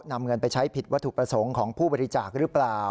นำเงินไปใช้ผิดวัตถุประสงค์ของผู้บริจาคหรือเปล่า